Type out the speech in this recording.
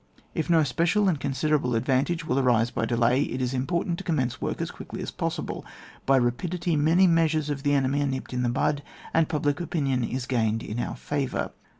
If no special and considerable advantage will arise by delay, it is impor tant to commence work as quickly as possible. By rapidity, many measures of the enemy are nipped in the bud, and public opinion is gained in our favour.